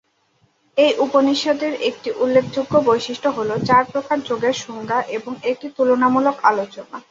এই উপনিষদের একটি উল্লেখযোগ্য বৈশিষ্ট্য হল চার প্রকার যোগের সংজ্ঞা এবং একটি তুলনামূলক আলোচনা।